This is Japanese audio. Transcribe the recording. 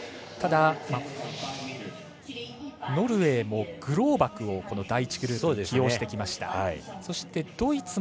ただ、ノルウェーもグローバクを第１グループで起用してきました。